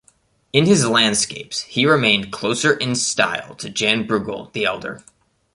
In his landscapes he remained closer in style to Jan Brueghel the Elder.